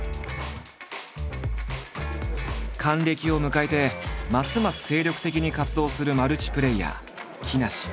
還暦を迎えてますます精力的に活動するマルチプレイヤー木梨。